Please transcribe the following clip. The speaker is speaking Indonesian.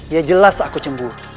ya jelas aku cemburu